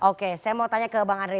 oke saya mau tanya ke bang andre